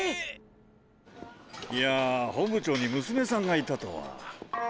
いや本部長に娘さんがいたとは。